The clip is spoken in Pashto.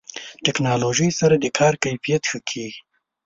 ټکنالوژي سره د کار کیفیت ښه کېږي.